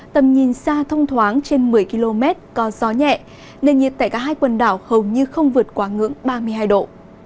tầm nhìn xa thông thoáng trên một mươi km có gió nhẹ nền nhiệt tại cả hai quần đảo hầu như không vượt quá ngưỡng ba mươi hai độ